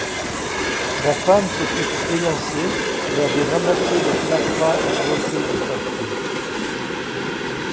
La femme s'était élancée et avait ramassé le plâtras enveloppé du papier.